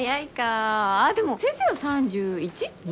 あっでも先生は３１？２？